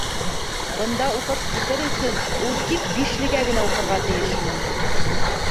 Бында уҡып китер өсөн ул тик «бишле»гә генә уҡырға тейеш!